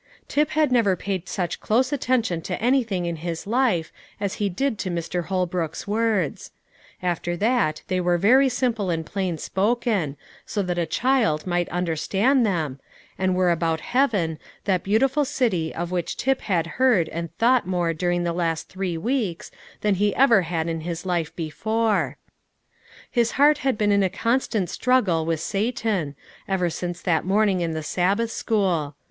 Tip had never paid such close attention to anything in his life as he did to Mr. Holbrook's words; after that they were very simple and plain spoken, so that a child might understand them, and were about heaven, that beautiful city of which Tip had heard and thought more during the last three weeks than he ever had in his life before. His heart had been in a constant Struggle with Satan, ever since that morning in the Sabbath school.